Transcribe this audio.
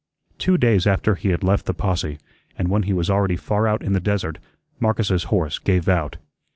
Two days after he had left the posse, and when he was already far out in the desert, Marcus's horse gave out.